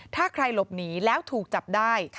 ถ้าใครหลบหนีแล้วถูกจับได้